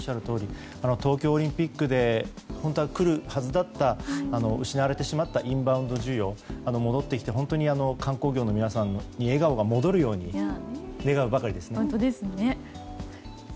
東京オリンピックで本当は来るはずだった失われてしまったインバウンド需要がまた戻ってきて観光業の皆さんに笑顔が戻るように願うばかりですね。